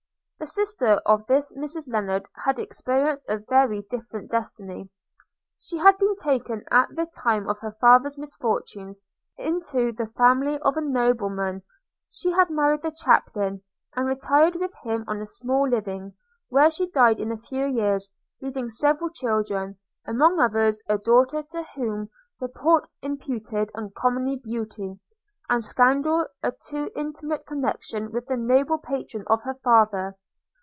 The sister of this Mrs Lennard had experienced a very different destiny – She had been taken at the time of her father's misfortunes into the family of a nobleman; she had married the chaplain, and retired with him on a small living, where she died in a few years, leaving several children; among others a daughter, to whom report imputed uncommon beauty; and scandal a too intimate connexion with the noble patron of her father.